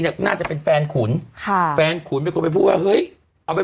น่าจะเป็นแฟนขุนค่ะแฟนขุนเป็นคนไปพูดว่าเฮ้ยเอาไป